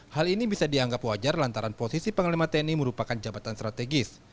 hal ini bisa dianggap wajar lantaran posisi panglima tni merupakan jabatan strategis